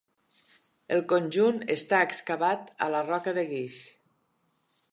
El conjunt està excavat a la roca de guix.